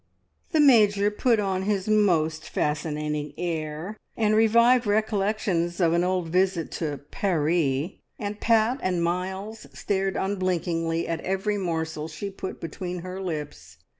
The Major put on his most fascinating air, and revived recollections of an old visit to "Paree," and Pat and Miles stared unblinkingly at every morsel she put between her lips.